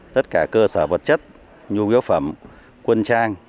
tất cả cơ sở vật chất nhu yếu phẩm quân trang